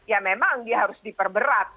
ya memang dia harus diperberat